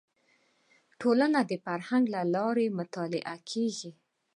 ټولنه د فرهنګ له لارې مطالعه کیږي